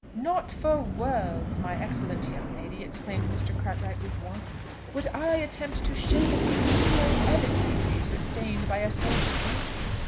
"Not for worlds, my excellent young lady," exclaimed Mr. Cartwright with warmth, "would I attempt to shake opinions so evidently sustained by a sense of duty!